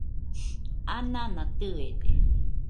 anana tɨede